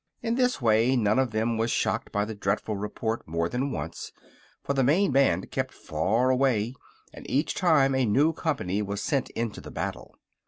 In this way none of them was shocked by the dreadful report more than once, for the main band kept far away and each time a new company was sent into the battle.